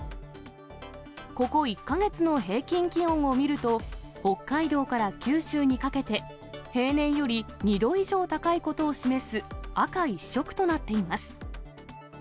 ここ１か月の平均気温を見ると、北海道から九州にかけて、平年より２度以上高いことを示す赤一色となっています。